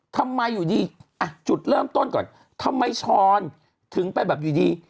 ทำไมอยู่ดีอ่ะจุดเริ่มต้นก่อนทำไมช้อนถึงไปแบบอยู่ดี